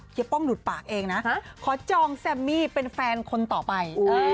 ป้องหลุดปากเองนะขอจองแซมมี่เป็นแฟนคนต่อไป